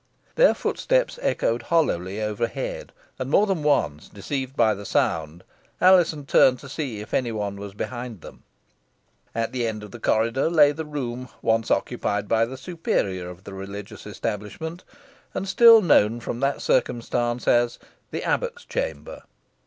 Their footsteps echoed hollowly overhead, and more than once, deceived by the sound, Alizon turned to see if any one was behind them. At the end of the corridor lay the room once occupied by the superior of the religious establishment, and still known from that circumstance as the "Abbot's Chamber."